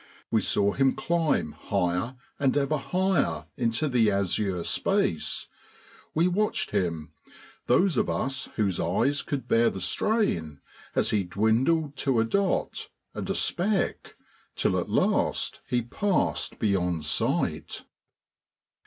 We saw him climb higher and ever higher into the azure space. We watched him, those of us whose eyes could bear the strain, as he dwindled to a dot and a speck, till at last he passed beyond sight.